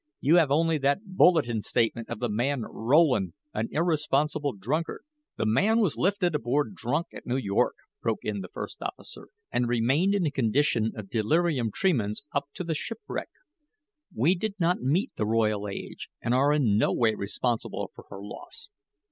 "You have only that bulletin statement of the man Rowland an irresponsible drunkard." "The man was lifted aboard drunk at New York," broke in the first officer, "and remained in a condition of delirium tremens up to the shipwreck. We did not meet the Royal Age and are in no way responsible for her loss."